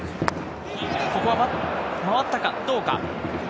ここはバット、回ったかどうか。